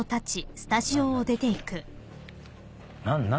何？